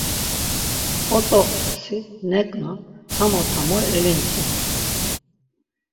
K̆otzoxt̆usi, neǩna tamo tamo elintzu.